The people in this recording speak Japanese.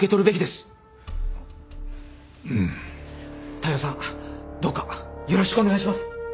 大陽さんどうかよろしくお願いします！